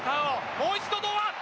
もう一度、堂安。